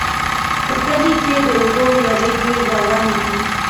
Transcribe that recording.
په کلي کې د اوبو ویالې ډېرې روانې دي.